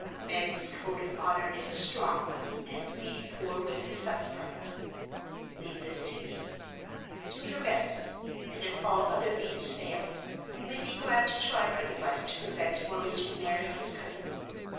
"Men's code of honor is a strong one, and we poor women suffer from it. Leave this to me; do your best, and if all other means fail, you may be glad to try my device to prevent Maurice from marrying his cousin.